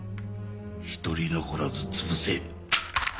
一人残らずつぶせ。